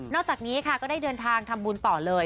จากนี้ค่ะก็ได้เดินทางทำบุญต่อเลย